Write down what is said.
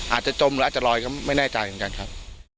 อาจจะจมอจรอยมันไม่แน่ใจกันครับ